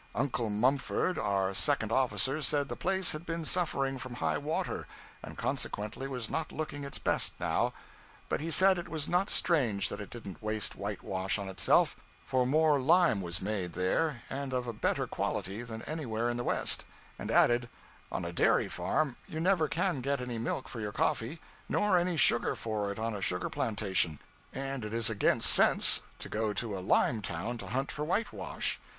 'Uncle' Mumford, our second officer, said the place had been suffering from high water, and consequently was not looking its best now. But he said it was not strange that it didn't waste white wash on itself, for more lime was made there, and of a better quality, than anywhere in the West; and added 'On a dairy farm you never can get any milk for your coffee, nor any sugar for it on a sugar plantation; and it is against sense to go to a lime town to hunt for white wash.'